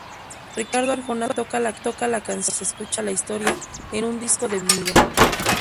Ricardo Arjona toca la canción mientras escucha la historia en un disco de vinilo".